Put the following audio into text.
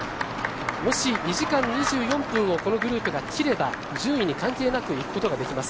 もし２時間２４分をこのグループが切れば順位に関係なく行くことができます。